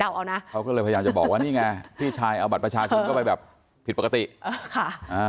เอานะเขาก็เลยพยายามจะบอกว่านี่ไงพี่ชายเอาบัตรประชาชนเข้าไปแบบผิดปกติเออค่ะอ่า